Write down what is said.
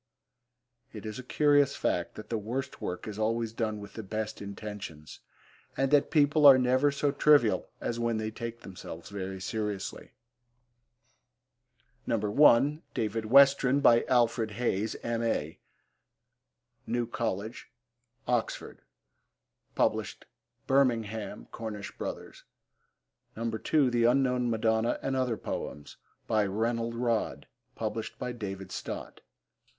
It is a curious fact that the worst work is always done with the best intentions, and that people are never so trivial as when they take themselves very seriously. (1) David Westren. By Alfred Hayes, M.A. New Coll., Oxon. (Birmingham: Cornish Brothers.) (2) The Unknown Madonna and Other Poems. By Rennell Rodd. (David Stott.)